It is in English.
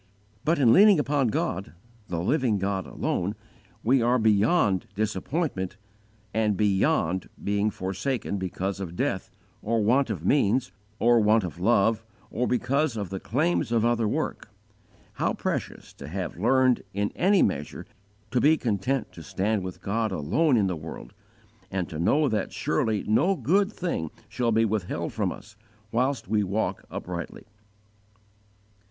But in leaning upon God, the Living God alone, we are BEYOND DISAPPOINTMENT and BEYOND being forsaken because of death, or want of means, or want of love, or because of the claims of other work. How precious to have learned, in any measure, to be content to stand with God alone in the world, and to know that surely no good thing shall be withheld from us, whilst we walk uprightly!"